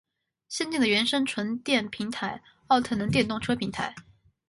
先进的原生纯电平台奥特能电动车平台